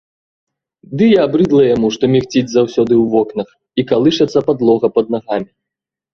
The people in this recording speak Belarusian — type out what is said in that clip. Ды і абрыдала яму, што мігціць заўсёды ў вокнах і калышацца падлога пад нагамі.